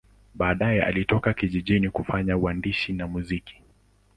Baadaye alitoka jijini kufanya uandishi na muziki.